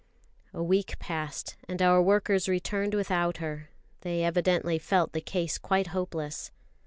A week passed and our workers returned without her; they evidently felt the case quite hopeless.